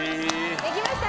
できました！